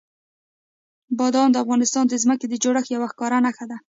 بادام د افغانستان د ځمکې د جوړښت یوه ښکاره نښه ده.